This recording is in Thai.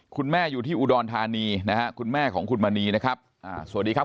คุณแม่อยู่ที่อุดรธานีนะฮะคุณแม่ของคุณมณีนะครับสวัสดีครับ